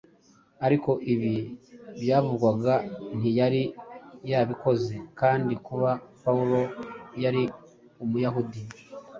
Ariko ibi byavugwaga ntiyari yabikoze kandi kuba Pawulo yari Umuyahudi,